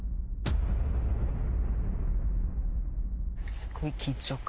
すごい緊張感。